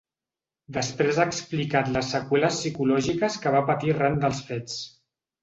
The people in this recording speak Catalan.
Després ha explicat les seqüeles psicològiques que va patir arran dels fets.